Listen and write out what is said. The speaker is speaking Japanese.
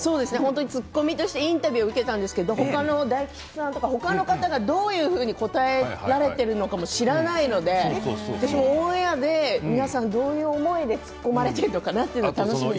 突っ込みとしてインタビューを受けたんですけど大吉さんとか他の方が、どう答えられているのか知らないのでオンエアで皆さんどういう思いで突っ込まれているのかなと楽しみです。